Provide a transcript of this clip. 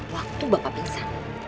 waktu bapak pingsan